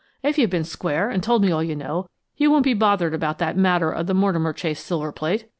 If you've been square, an' told me all you know, you won't be bothered about that matter of the Mortimer Chase silver plate.